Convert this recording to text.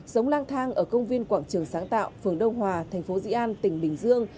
sống lang thang ở công viên quảng trường sáng tạo phường đông hòa tp dĩ an tỉnh bình dương